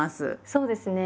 そうですね。